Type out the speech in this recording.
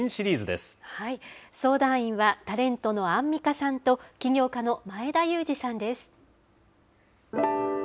相談員はタレントのアンミカさんと、起業家の前田裕二さんです。